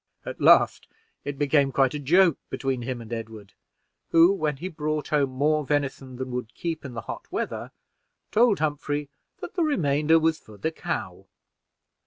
At last it became quite a joke between him and Edward, who, when he brought home more venison than would keep in the hot weather, told Humphrey that the remainder was for the cow.